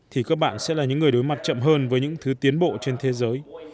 thì các bạn sẽ là những người đối mặt chậm hơn với những thứ tiến bộ trên thế giới